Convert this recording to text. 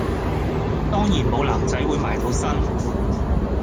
當然無男仔會埋到身